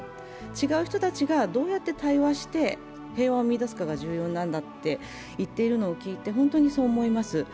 違う人たちがどうやって対話して平和を見いだすのが重要なんだと言っているのを見て、本当にそう思います。